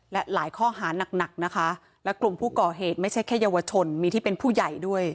และหลายข้อหานักหนักนะคะและกลุ่มผู้ก่อเหตุไม่ใช่แค่เยาวชนมีที่เป็นผู้ใหญ่ด้วย